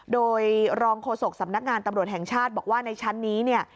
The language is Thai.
โดยรองโฆษกสำนักงานตำรวจแห่งชาติบอกว่าในชั้นนี้เนี่ย